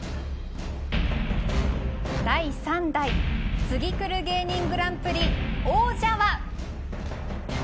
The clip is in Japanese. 第３代ツギクル芸人グランプリ王者は。